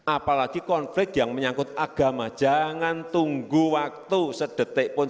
apalagi konflik yang menyangkut agama jangan tunggu waktu sedetik pun